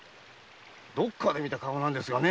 どこかで見た顔なんですがね